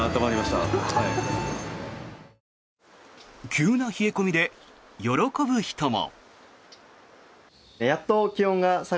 急な冷え込みで喜ぶ人も。